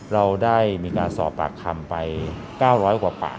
เราได้มีการสอบปากคำไป๙๐๐กว่าปาก